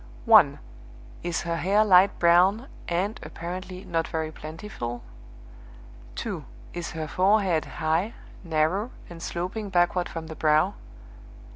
"1. Is her hair light brown, and (apparently) not very plentiful? 2. Is her forehead high, narrow, and sloping backward from the brow?